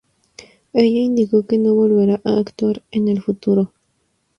Ella indicó que no volverá a actuar en el futuro.